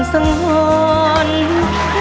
เพลงที่๓เพลงมาครับ